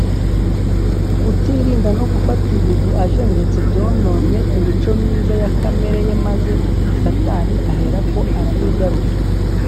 kutirinda no gufata ibintu ajenjetse byononnye imico myiza ya kamere ye, maze satani aherako aramwigarurira